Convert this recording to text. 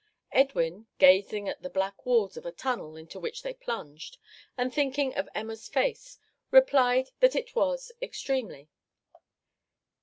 Edwin, gazing at the black walls of a tunnel into which they plunged, and thinking of Emma's face, replied that it was extremely.